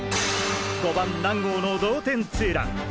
５番南郷の同点ツーラン！